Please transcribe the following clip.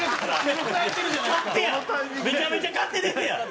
めちゃめちゃ勝手ですやん！